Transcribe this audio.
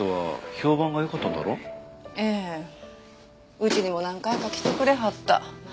うちにも何回か来てくれはった。